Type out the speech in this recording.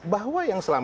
bahwa yang terlihat